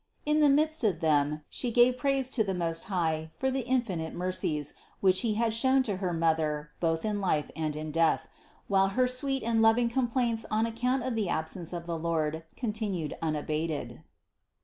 In the midst of them She gave praise to the Most High for the infinite mercies, which He had shown to her mother both in life and in death, while her sweet and loving complaints on account of the absence of the Lord continued unabated.